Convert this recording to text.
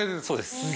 そうです。